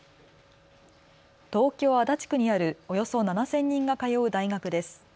東京足立区にあるおよそ７０００人が通う大学です。